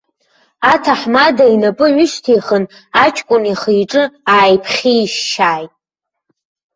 Аҭаҳмада инапы ҩышьҭихын, аҷкәын ихы-иҿы ааиԥхьишьшьааит.